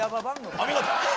お見事！